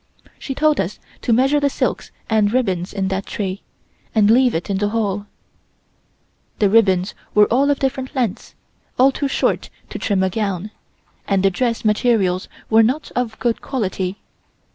She told us to measure the silks and ribbons in that tray, and leave it in the hall. The ribbons were all of different lengths, all too short to trim a gown, and the dress materials were not of good quality.